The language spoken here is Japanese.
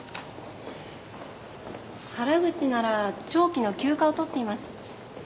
原口なら長期の休暇を取っています。